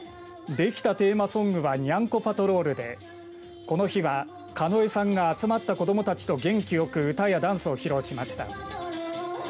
できたテーマソングはにゃんこパトロールでこの日はカノエさんが集まった子どもたちと元気よく歌やダンスを披露しました。